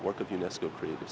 một cuộc phát triển